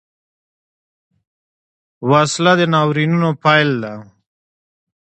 وسله د ناورینونو پیل ده